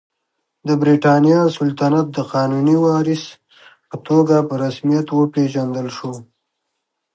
د برېټانیا سلطنت د قانوني وارث په توګه په رسمیت وپېژندل شو.